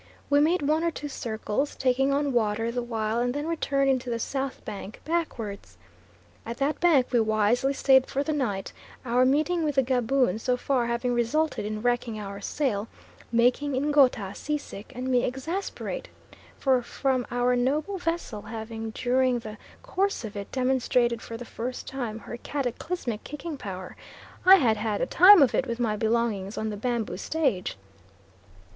We made one or two circles, taking on water the while and then returned into the south bank backwards. At that bank we wisely stayed for the night, our meeting with the Gaboon so far having resulted in wrecking our sail, making Ngouta sea sick and me exasperate; for from our noble vessel having during the course of it demonstrated for the first time her cataclysmic kicking power, I had had a time of it with my belongings on the bamboo stage.